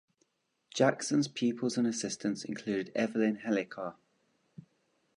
Jackson's pupils and assistants included Evelyn Hellicar.